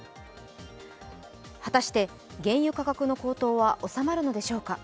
果たして原油価格の高騰はおさまるのでしょうか。